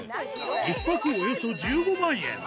１泊およそ１５万円。